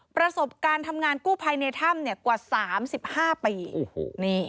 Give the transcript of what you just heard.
ประสบการณ์ทำงานกู้ภายในถ้ำกว่า๓๕ปี